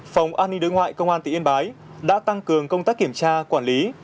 phòng an ninh đối ngoại công an tỉnh yên bái đã tăng cường công tác kiểm tra quản lý